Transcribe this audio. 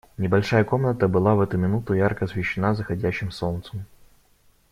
Небольшая комната была в эту минуту ярко освещена заходящим солнцем.